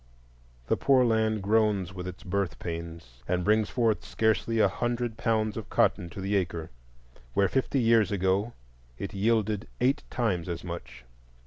The poor land groans with its birth pains, and brings forth scarcely a hundred pounds of cotton to the acre, where fifty years ago it yielded eight times as much.